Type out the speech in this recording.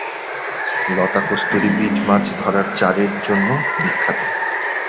লতা কস্তুরী বীজ মাছ ধরার চারের এর জন্য বিখ্যাত।